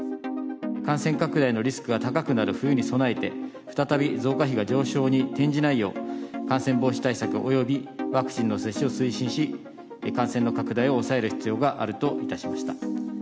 感染拡大のリスクが高くなる冬に備えて、再び増加比が上昇に転じないよう、感染防止対策およびワクチンの接種を推進し、感染の拡大を抑える必要があると致しました。